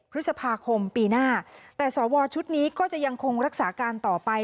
พฤษภาคมปีหน้าแต่สวชุดนี้ก็จะยังคงรักษาการต่อไป